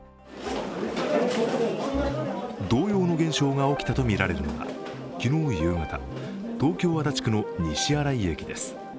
同様の現象が起きたとみられるのは昨日夕方、東京・足立区の西新井駅です。